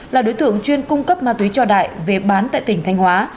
là đối tượng chuyên cung cấp ma túy cho đại về bán tại tỉnh thanh hóa